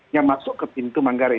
yang masuk ke pintu manggarai